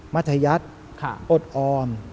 มัทยัตริย์อดออม